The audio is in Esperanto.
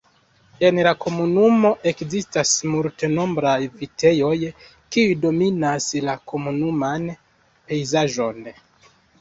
En la komunumo ekzistas multnombraj vitejoj, kiuj dominas la komunuman pejzaĝon.